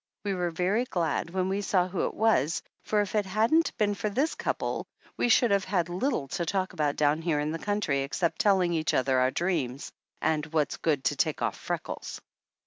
We were very glad when we saw who it was, for if it hadn't been for this couple we should have had little to talk about down here in the country except telling each other our dreams and what's good to take off freckles.